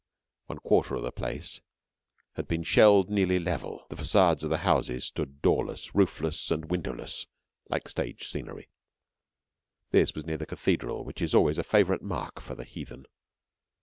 One quarter of the place had been shelled nearly level; the facades of the houses stood doorless, roofless, and windowless like stage scenery. This was near the cathedral, which is always a favourite mark for the heathen.